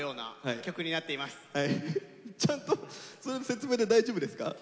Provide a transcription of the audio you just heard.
ちゃんとその説明で大丈夫ですか？